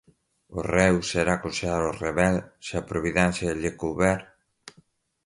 o réu será considerado revel, se a providência lhe couber;